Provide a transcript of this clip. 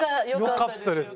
よかったです。